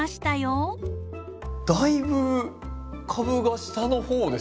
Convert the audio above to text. だいぶ株が下の方ですね。